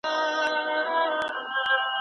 لیکنې اکثره د خلګو د غولولو لپاره وي.